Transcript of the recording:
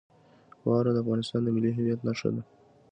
واوره د افغانستان د ملي هویت نښه ده.